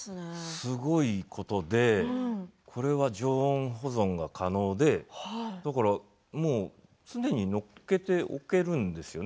すごいことでこれは常温保存が可能で常に載っけておけるんですよね。